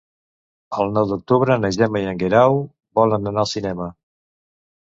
El nou d'octubre na Gemma i en Guerau volen anar al cinema.